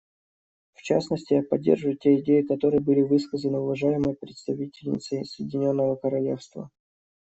В частности, я поддерживаю те идеи, которые были высказаны уважаемой представительницей Соединенного Королевства.